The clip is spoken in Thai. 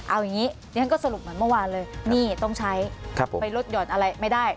เอาอย่างนี้ดิฉันก็สรุปเหมือนเมื่อวานเลยนี่ต้องใช้ไปลดหย่อนอะไรไม่ได้